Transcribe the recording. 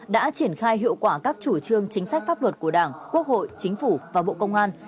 đã triển khai hiệu quả các chủ trương chính sách pháp luật của đảng quốc hội chính phủ và bộ công an